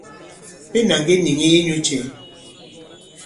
Pên à ŋge nìŋi inyū cɛ̄ ?